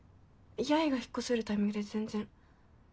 八重が引っ越せるタイミングで全然。